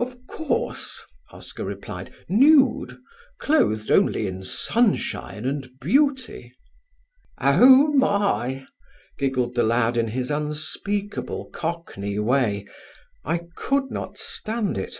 "Of course," Oscar replied, "nude, clothed only in sunshine and beauty." "Oh, my," giggled the lad in his unspeakable Cockney way. I could not stand it.